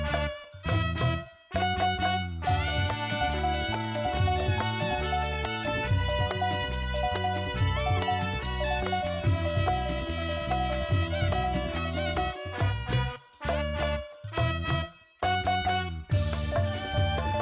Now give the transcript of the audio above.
peringatan hari pers nasional yang diperingati setiap tanggal sembilan februari kembali digelar